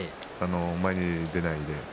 前に出ないで。